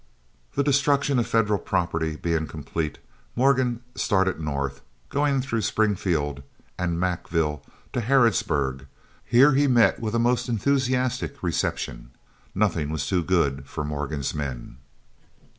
The destruction of Federal property being complete, Morgan started north, going through Springfield and Mackville to Harrodsburg. Here he met with a most enthusiastic reception. Nothing was too good for Morgan's men.